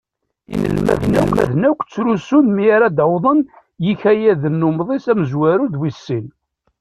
Inelmaden akk ttrusun-d mi ara d-awwḍen yikayaden n umesḍis amezwaru d wis sin.